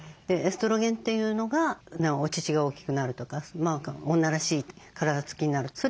エストロゲンというのがお乳が大きくなるとか女らしい体つきになる。